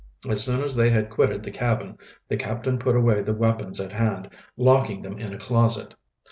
As soon as they had quitted the cabin the captain put away the weapons at hand, locking them in a closet.